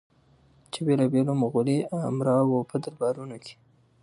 چې بېلابېلو مغولي امراوو په دربارونو کې